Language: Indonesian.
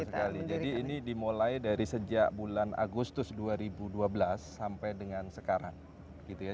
sekali jadi ini dimulai dari sejak bulan agustus dua ribu dua belas sampai dengan sekarang gitu ya